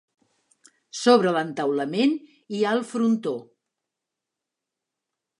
Sobre l'entaulament hi ha el frontó.